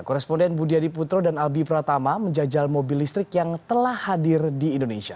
koresponden budi adiputro dan albi pratama menjajal mobil listrik yang telah hadir di indonesia